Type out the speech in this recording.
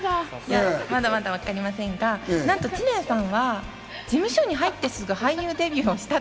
まだまだわかりませんが、知念さんは事務所に入ってすぐ俳優デビューをした。